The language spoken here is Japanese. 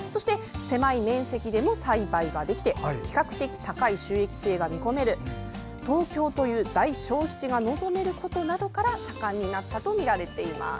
狭い面積でも栽培ができて比較的高い収益性が見込める東京という大消費地が望めることなどから盛んになったとみられています。